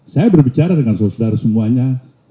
saya berbicara dengan saudara saudara semuanya